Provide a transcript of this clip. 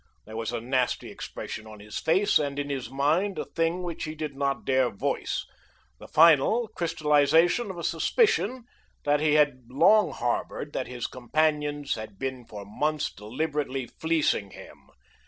There was a nasty expression on his face and in his mind a thing which he did not dare voice the final crystallization of a suspicion that he had long harbored, that his companions had been for months deliberately fleecing him.